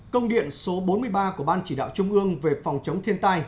công điện số bốn mươi ba của ban chỉ đạo trung ương về phòng chống thiên tai